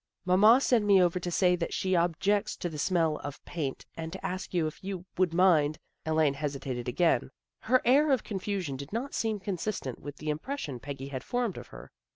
" Mamma sent me over to say that she ob jects to the smell of paint, and to ask if you would mind Elaine hesitated again. Her air of confusion did not seem consistent with the impression Peggy had formed of her.